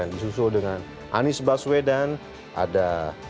disusul dengan anies baswedan ada dua puluh lima tujuh